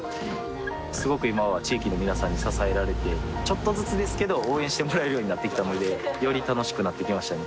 すごく今は地域の皆さんに支えられてちょっとずつですけど応援してもらえるようになってきたのでより楽しくなってきましたね